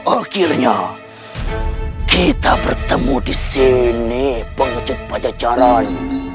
akhirnya kita bertemu di sini pengecut pajak jalan